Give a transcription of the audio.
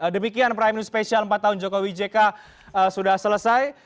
demikian prime news special empat tahun jokowi jk sudah selesai